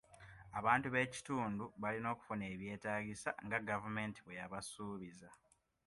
Abantu b'ekitundu balina okufuna ebyetaagisa nga gavumenti bwe yabasuubiza.